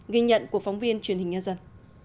ghi nhận của phóng viên truyền hình nhân dân